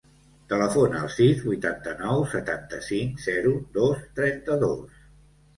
Telefona al sis, vuitanta-nou, setanta-cinc, zero, dos, trenta-dos.